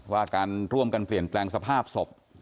ว่าการร่วมกันเปลี่ยนแปลงสภาพศพ